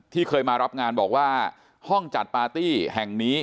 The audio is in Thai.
เคยมารับงานบอกว่าห้องจัดปาร์ตี้แห่งนี้